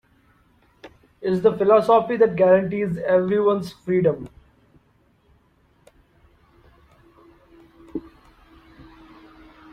It's the philosophy that guarantees everyone's freedom.